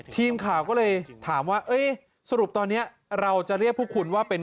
ทีมข่าวก็เลยถามว่าสรุปตอนนี้เราจะเรียกพวกคุณว่าเป็น